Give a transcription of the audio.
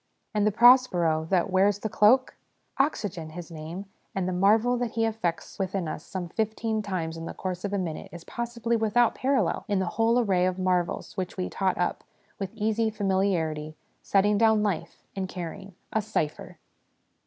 And the Prospero that wears the cloak? Oxygen, his name; and the marvel that he effects within us some fifteen times in the course of a minute is possibly without parallel in the whole array of marvels which we ' tot up ' with easy familiarity, setting down ' life,' and carrying a cypher